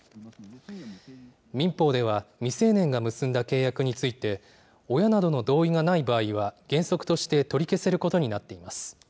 民法では、未成年が結んだ契約について、親などの同意がない場合は、原則として取り消せることになっています。